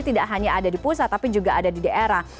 tidak hanya ada di pusat tapi juga ada di daerah